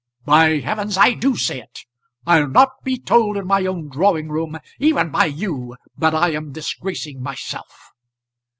"By heavens I do say it! I'll not be told in my own drawing room, even by you, that I am disgracing myself."